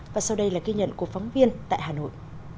và sau đây là ghi nhận của phóng viên tại hà nội